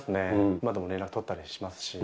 今でも連絡取ったりしますし。